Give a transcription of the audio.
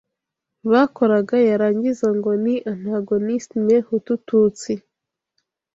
bakoraga yarangiza ngo ni antagonisme hutu/tutsi